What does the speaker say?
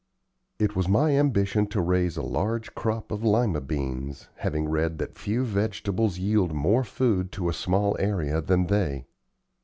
It was my ambition to raise a large crop of Lima beans, having read that few vegetables yield more food to a small area than they.